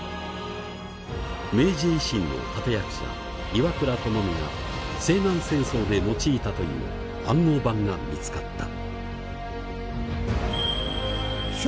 明治維新の立て役者岩倉具視が西南戦争で用いたという暗号盤が見つかった。